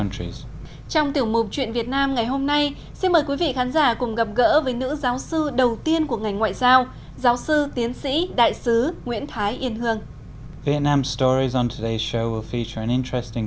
trong tiểu mục chuyện việt nam ngày hôm nay xin mời quý vị khán giả cùng gặp gỡ với nữ giáo sư đầu tiên của ngành ngoại giao giáo sư tiến sĩ đại sứ nguyễn thái yên hương